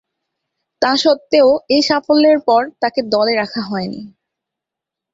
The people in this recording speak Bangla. তাসত্ত্বেও, এ সাফল্যের পর তাকে দলে রাখা হয়নি।